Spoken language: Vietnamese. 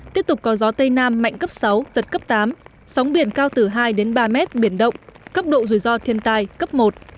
tiếp tục có gió tây nam mạnh cấp sáu giật cấp tám sóng biển cao từ hai ba mét biển động cấp độ rủi ro thiên tai cấp một